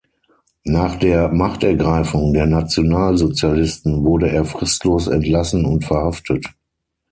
Nach der „Machtergreifung“ der Nationalsozialisten wurde er fristlos entlassen und verhaftet.